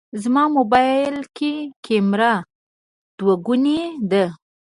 زما موبایل کې کمېره دوهګونې ده.